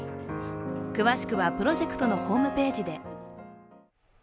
詳しくはプロジェクトのホームページで。